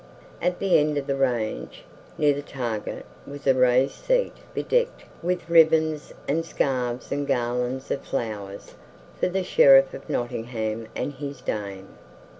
At the end of the range, near the target, was a raised seat bedecked with ribbons and scarfs and garlands of flowers, for the Sheriff of Nottingham and his dame.